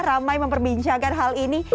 ramai memperbincangkan hal ini